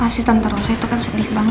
si tante rosa itu kan sedih banget ma